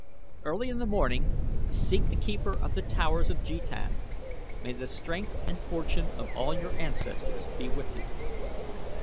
Early in the morning seek the keeper of The Towers of Jetan. May the strength and fortune of all your ancestors be with you!"